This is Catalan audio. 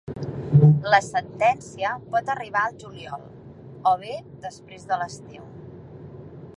La sentència pot arribar al juliol, o bé després de l’estiu.